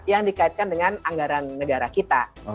yang dikaitkan dengan anggaran negara kita